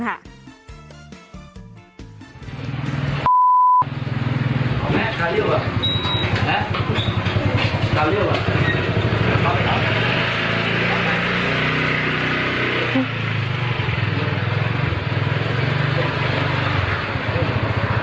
จัดกระบวนพร้อมกัน